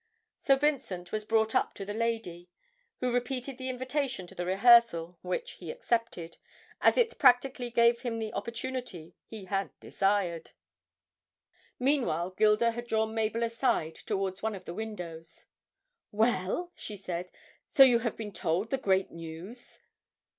So Vincent was brought up to the lady, who repeated the invitation to the rehearsal, which he accepted, as it practically gave him the opportunity he had desired. Meanwhile Gilda had drawn Mabel aside towards one of the windows. 'Well,' she said, 'so you have been told the great news?'